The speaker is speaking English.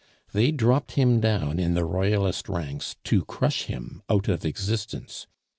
They dropped him down in the Royalist ranks to crush him out of existence.